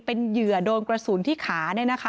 เป็นเหยื่อโดนกระสุนที่ขา